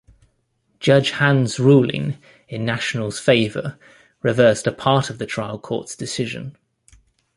Judge Hand's ruling in National's favor reversed a part of the trial court's decision.